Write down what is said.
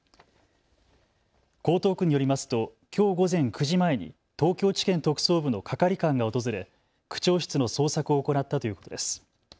江東区によりますときょう午前９時前に東京地検特捜部の係官が訪れ区長室の捜索を行ったということです。